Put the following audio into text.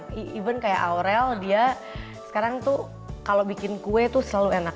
di even kayak aurel dia sekarang tuh kalau bikin kue tuh selalu enak